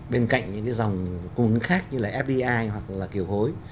bên cạnh những dòng cung ứng khác như là fdi hoặc là kiểu hối